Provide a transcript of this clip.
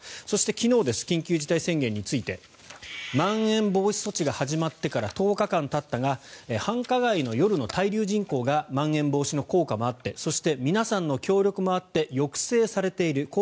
そして、昨日緊急事態宣言についてまん延防止措置が始まってから１０日間たったが繁華街の夜の滞留人口がまん延防止の効果もあってそして、皆さんの協力もあって抑制されている。